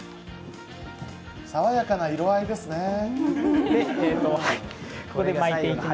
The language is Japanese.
さわやかな色合いですね。